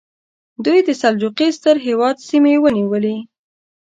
دوی د سلجوقي ستر هېواد سیمې ونیولې.